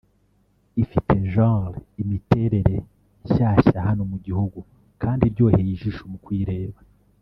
ifite ’genre’ (imiterere) nshyashya hano mu gihugu kandi iryoheye ijisho kuyireba